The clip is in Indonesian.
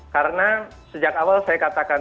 karena sejak awal saya katakan